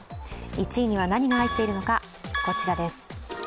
１位には何が入っているのか、こちらです。